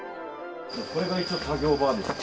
これが一応作業場ですね。